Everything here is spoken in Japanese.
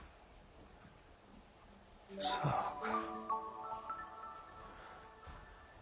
そうか。